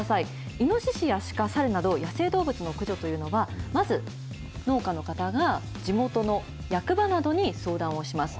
イノシシやシカ、サルなど、野生動物の駆除というのは、まず農家の方が地元の役場などに相談をします。